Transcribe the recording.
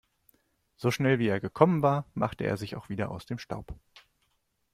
So schnell, wie er gekommen war, machte er sich auch wieder aus dem Staub.